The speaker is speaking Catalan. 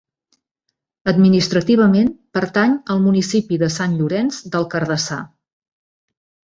Administrativament, pertany al municipi de Sant Llorenç del Cardassar.